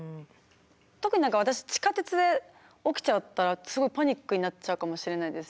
特に何か私地下鉄で起きちゃったらすごいパニックになっちゃうかもしれないです。